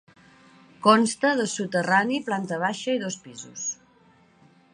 Consta de soterrani, planta baixa i dos pisos.